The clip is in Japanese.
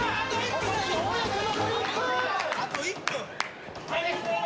・あと１分。